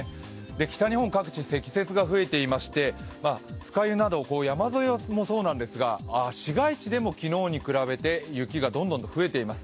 北日本各地、積雪が増えていまして酸ヶ湯など山沿いもそうなんですが、市街地でも昨日に比べて雪がどんどんと増えています。